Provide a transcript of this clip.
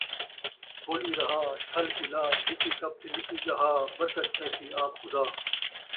تھولی رہا، جھل پلا، جھکی کپ تے نکی ڳہاء، برکت پیسی آپ خدا